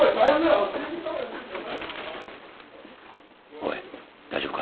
おい大丈夫か？